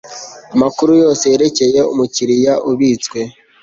amakuru yose yerekeye umukiriya abitswe